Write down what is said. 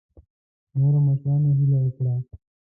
نورو مشرانو هیله وکړه.